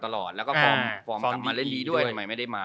แล้วก็ฟอร์มกลับมาเล่นดีด้วยไม่ได้มา